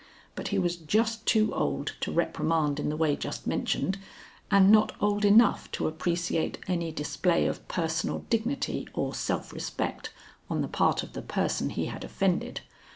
But he was just too old to reprimand in the way just mentioned, and not old enough to appreciate any display of personal dignity or self respect on the part of the person he had offended.